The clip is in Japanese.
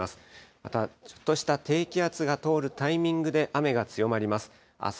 また、ちょっとした低気圧が通るタイミングで雨が強まります。